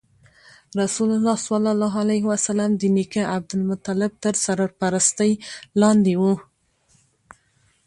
رسول الله ﷺ د نیکه عبدالمطلب تر سرپرستۍ لاندې و.